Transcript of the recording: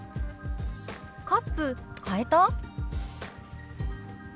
「カップ変えた？」。